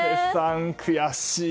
悔しい。